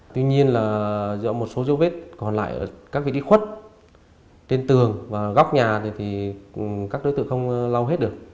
tuy nhiên là do một số dấu vết còn lại ở các đi khuất trên tường và góc nhà thì các đối tượng không lau hết được